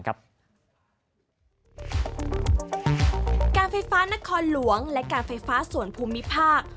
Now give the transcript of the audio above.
การไฟฟ้านครหลวงและการไฟฟ้าส่วนภูมิภาค